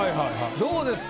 どうですか？